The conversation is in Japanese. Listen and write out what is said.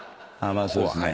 まあそうですね。